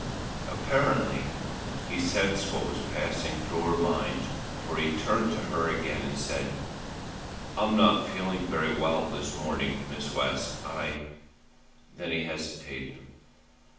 Apparently he sensed what was passing through her mind, for he turned to her again and said: "I'm not feeling very well this morning, Miss West, I " Then he hesitated.